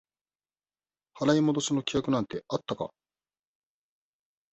払い戻しの規約なんてあったか？